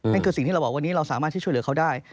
นั่นคือสิ่งที่เราบอกวันนี้เราสามารถที่ช่วยเหลือเขาได้